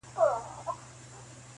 د عبدالباري جهاني منظومه ترجمه-